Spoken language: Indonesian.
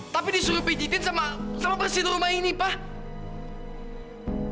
tapi disuruh pijitin sama persid rumah ini pak